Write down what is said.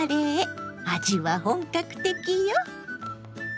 味は本格的よ！